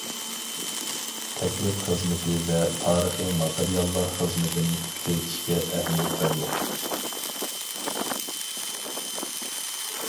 تەكلىپ خىزمىتى ۋە تارىخىي ماتېرىياللار خىزمىتىنى كۈچەيتىشكە ئەھمىيەت بەردۇق.